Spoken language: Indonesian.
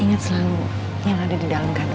inget selalu yang ada di dalam katanmu